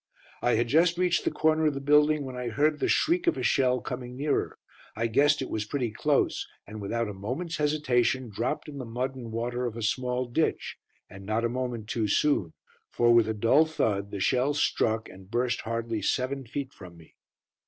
I had just reached the corner of the building when I heard the shriek of a shell coming nearer. I guessed it was pretty close, and without a moment's hesitation dropped in the mud and water of a small ditch, and not a moment too soon for with a dull thud the shell struck and burst hardly seven feet from me.